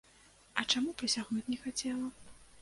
А чаму прысягаць не хацела?